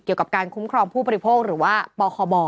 เกี่ยวกับการคุ้มครองผู้บริโภคหรือว่าปคบ